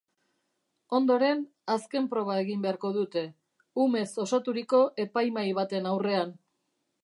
Ondoren, azken proba egin beharko dute, umez osaturiko epaimahai baten aurrean.